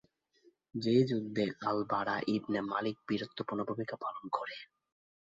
সে যুদ্ধে Al Bara Ibn Malik বীরত্বপূর্ণ ভূমিকা পালন করেন।